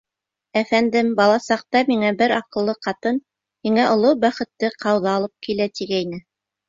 — Әфәндем, бала саҡта миңә бер аҡыллы ҡатын, һиңә оло бәхетте ҡауҙы алып килә, тигәйне.